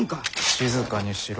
静かにしろ。